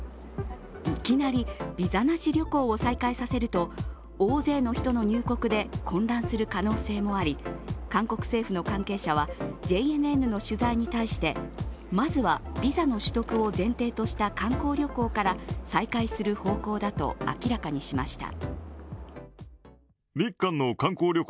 いきなりビザなし旅行を再開させると大勢の人の入国で混乱する可能性もあり、韓国政府の関係者はＪＮＮの取材に対して、まずはビザの取得を前提とした観光旅行から再開する方向だと明らかにしました。